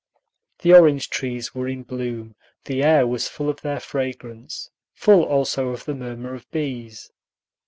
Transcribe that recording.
The orange trees were in bloom; the air was full of their fragrance, full also of the murmur of bees.